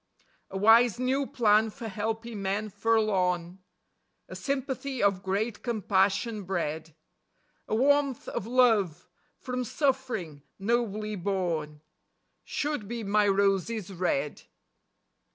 A wise new plan for helping men forlorn ; A sympathy of great compassion bred ; A warmth of love from suffering nobly borne, Should be my roses red.